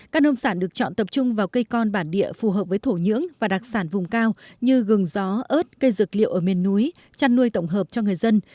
các nông sản được chọn tập trung vào cây con bản địa phù hợp với thổ nhưỡng và đặc sản vùng cao như gừng gió ớt cây dược liệu ở miền núi chăn nuôi tổng hợp cho người dân